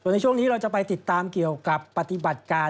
ในช่วงนี้เราจะไปติดตามเกี่ยวกับปฏิบัติการ